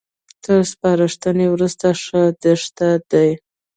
تر سپارښتنې وروسته ښه ديښه دي